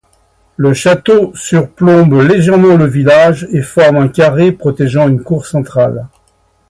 Le château surplombe légèrement le village et forme un carré protégeant une cour centrale.